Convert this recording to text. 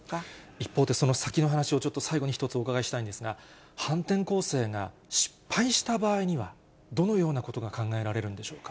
一方で、その先の話をちょっと最後に一つお伺いしたいんですが、反転攻勢が失敗した場合には、どのようなことが考えられるんでしょうか。